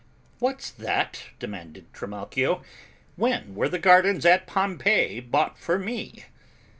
"What's that?" demanded Trimalchio. "When were the gardens at Pompeii bought for me?"